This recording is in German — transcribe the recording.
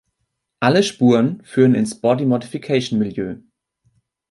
Alle Spuren führen ins Body-Modification-Milieu.